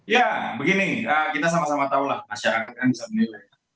ya begini kita sama sama tahu lah masyarakat yang bisa menilai